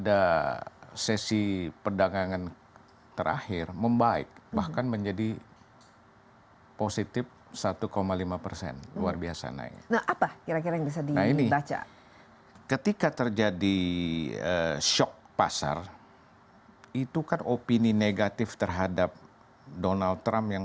apalagi karena ucapan ucapannya gitu ya